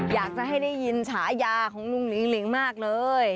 อยากจะให้ได้ยินฉายาของลุงหนิงหลิงมากเลย